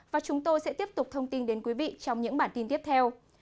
và chúng tôi sẽ tiếp tục thông tin đến quý vị trong những bản tin tiếp theo